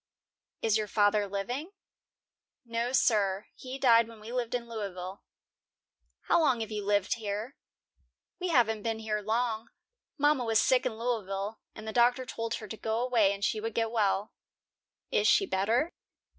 "Is your father living?" "No, sir; he died when we lived in Louisville." "How long have you lived here?" "We haven't been here long. Mama was sick in Louisville, and the doctor told her to go away, and she would get well." "Is she better?"